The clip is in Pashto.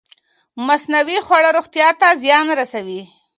مصنوعي خواړه روغتیا ته زیان رسوي.